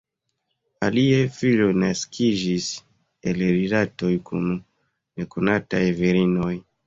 Aliaj filoj naskiĝis el rilatoj kun nekonataj virinoj.